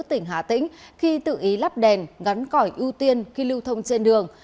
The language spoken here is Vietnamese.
tỉnh hà tĩnh khi tự ý lắp đèn gắn cõi ưu tiên khi lưu thông trên đường